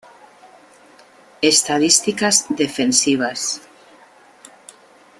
Estadísticas Defensivas